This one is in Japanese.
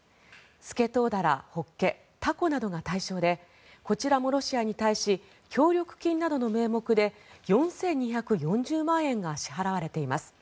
スケトウダラ、ホッケタコなどが対象でこちらもロシアに対し協力金などの名目で４２４０万円が支払われています。